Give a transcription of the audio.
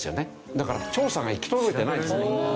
だから調査が行き届いてないんですね。